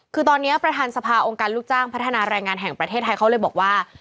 คือตอนนี้ประธานสภาองค์การลูกจ้างพัฒนาแรงงานแห่งประเทศไทยเขาเลยบอกว่า